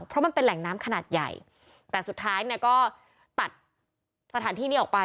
เพราะมันเป็นแหล่งน้ำขนาดใหญ่แต่สุดท้ายเนี่ยก็ตัดสถานที่นี้ออกไป